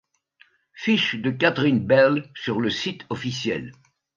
Fiche de Catherine Bell sur le site officiel.